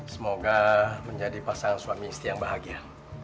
semoga menjadi pasangan suami istri yang bahagia